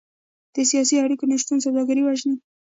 د سیاسي اړیکو نشتون سوداګري وژني.